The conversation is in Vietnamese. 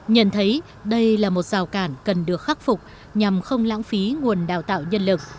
nhận thấy đây là một rào cản cần được khắc phục nhằm không lãng phí nguồn đào tạo nhân lực